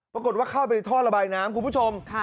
ปรากฏว่าเข้าไปที่ท่อระบายน้ำคุณผู้ชม